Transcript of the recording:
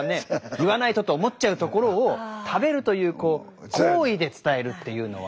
言わないとと思っちゃうところを食べるという行為で伝えるっていうのは。